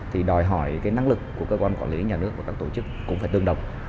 thì đòi hỏi cái năng lực của cơ quan quản lý nhà nước và các tổ chức cũng phải tương đồng